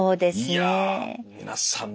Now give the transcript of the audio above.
いや皆さん